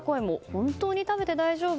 本当に食べて大丈夫？